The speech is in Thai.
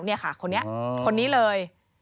นี่ค่ะคนนี้คนนี้เลย